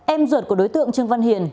em ruột của đối tượng trương văn hiền